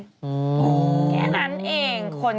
แค่นั้นเอง